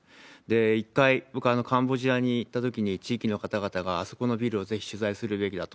一回、僕、カンボジアに行ったときに、地域の方々が、あそこのビルをぜひ取材するべきだと。